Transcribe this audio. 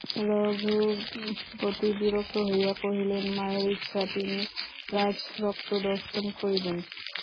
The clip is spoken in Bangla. রঘুপতি বিরক্ত হইয়া কহিলেন, মায়ের ইচ্ছা, তিনি রাজরক্ত দর্শন করিবেন।